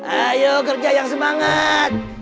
ayo kerja yang semangat